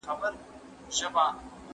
محلي حاکمان اوس هم ورته تګلاري تعقيبوي.